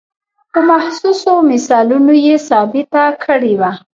په محسوسو مثالونو یې ثابته کړې وه.